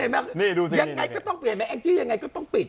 ยังไงก็ต้องเปลี่ยนไหมแองจี้ยังไงก็ต้องปิด